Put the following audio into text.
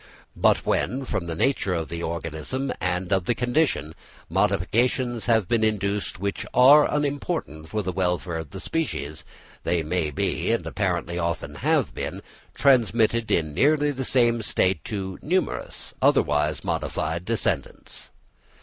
But when, from the nature of the organism and of the conditions, modifications have been induced which are unimportant for the welfare of the species, they may be, and apparently often have been, transmitted in nearly the same state to numerous, otherwise modified, descendants.